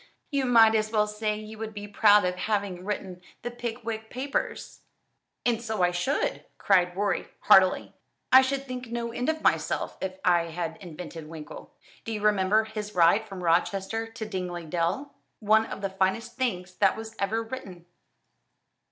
"You might as well say you would be proud of having written 'The Pickwick Papers'." "And so I should!" cried Rorie heartily. "I should think no end of myself if I had invented Winkle. Do you remember his ride from Rochester to Dingley Dell? one of the finest things that was ever written."